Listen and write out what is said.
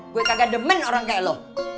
gue kagak demen orang kayak lo